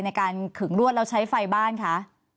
ในการขึงรวดแล้วใช้ไฟบ้านคะ